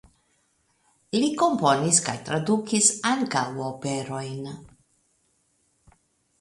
Li komponis kaj tradukis ankaŭ operojn.